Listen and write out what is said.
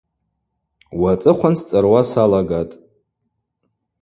Уацӏыхъван сцӏыруа салагатӏ.